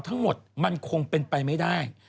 ทั้งหมดมันคงเป็นไปไม่ได้